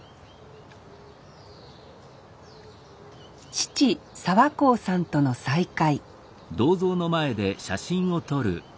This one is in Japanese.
父澤幸さんとの再会